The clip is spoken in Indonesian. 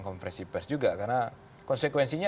konfresi pers juga karena konsekuensinya